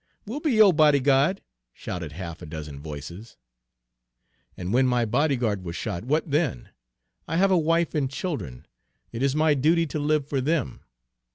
"We'll be yo' body guard!" shouted half a dozen voices. "And when my body guard was shot, what then? I have a wife and children. It is my duty to live for them.